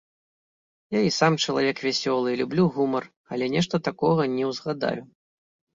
Я і сам чалавек вясёлы, люблю гумар, але нешта такога не ўзгадаю.